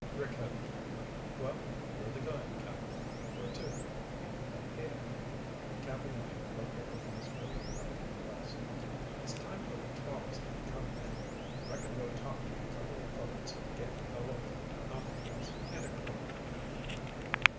Rick had to agree. "Well, you're the guide, Cap'n. Where to?" "The pier." Cap'n Mike looked at the fast fading light in the west. "It's time for the trawlers to be coming in. Reckon we'll talk to a couple of folks and get a look at the Albatross and her crew."